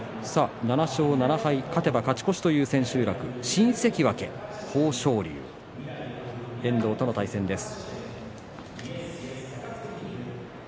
７勝７敗、勝てば勝ち越しという千秋楽、新関脇豊昇龍、遠藤との対戦です。